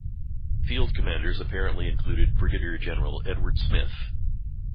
Field commanders apparently included Brigadier General Edward Smith.